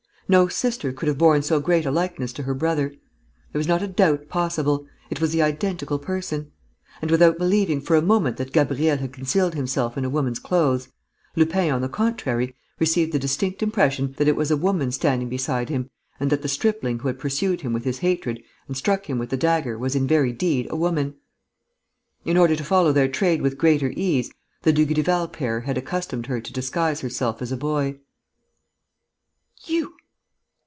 No sister could have borne so great a likeness to her brother. There was not a doubt possible: it was the identical person. And, without believing for a moment that Gabriel had concealed himself in a woman's clothes, Lupin, on the contrary, received the distinct impression that it was a woman standing beside him and that the stripling who had pursued him with his hatred and struck him with the dagger was in very deed a woman. In order to follow their trade with greater ease, the Dugrival pair had accustomed her to disguise herself as a boy. "You